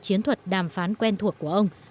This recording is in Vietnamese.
khiến thuật đàm phán quen thuộc của ông